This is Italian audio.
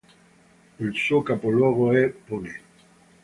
Il suo capoluogo è Pune.